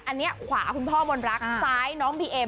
อันนี้ขวาคุณพ่อมนรักซ้ายน้องบีเอ็ม